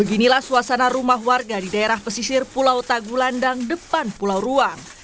beginilah suasana rumah warga di daerah pesisir pulau tagulandang depan pulau ruang